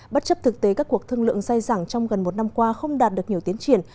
bất chấp thực tế các cuộc thương lượng dai dẳng trong gần một năm qua không đạt được nhiều tiến triển